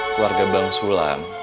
keluarga bang sulam